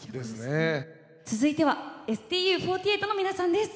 続いてはＳＴＵ４８の皆さんです。